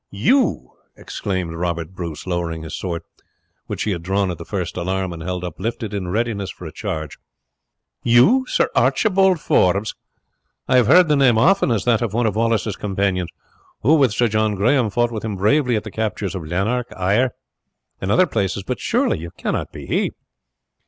"You!" exclaimed Robert Bruce, lowering his sword, which he had drawn at the first alarm and held uplifted in readiness for a charge; "you Sir Archibald Forbes! I have heard the name often as that of one of Wallace's companions, who, with Sir John Grahame, fought with him bravely at the captures of Lanark, Ayr, and other places, but surely you cannot be he!"